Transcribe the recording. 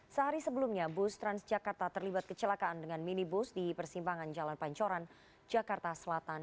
sehari sebelumnya bus transjakarta terlibat kecelakaan dengan minibus di persimpangan jalan pancoran jakarta selatan